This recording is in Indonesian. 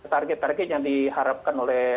target target yang diharapkan oleh